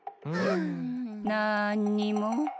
なんにも。